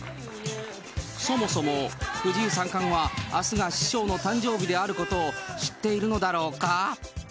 そもそも、藤井三冠は、あすが師匠の誕生日であることを知っているのだろうか？